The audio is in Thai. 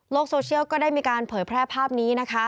โซเชียลก็ได้มีการเผยแพร่ภาพนี้นะคะ